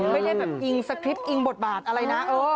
ไม่ได้แบบอิงสคริปตอิงบทบาทอะไรนะ